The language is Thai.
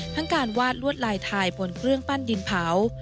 การวาดลวดลายทายบนเครื่องปั้นดินเผา